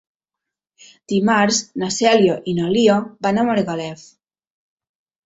Dimarts na Cèlia i na Lia van a Margalef.